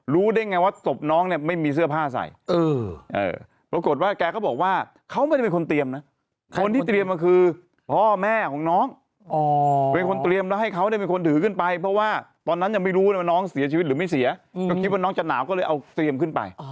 รู้ได้ไงว่าศพน้องเนี่ยไม่มีเสื้อผ้าใส่